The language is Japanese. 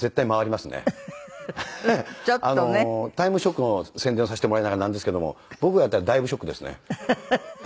『タイムショック』の宣伝をさせてもらいながらなんですけども僕がやったら「だいぶショック」ですね。